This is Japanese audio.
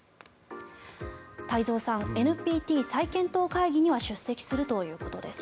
太蔵さん、ＮＰＴ再検討会議には出席するということです。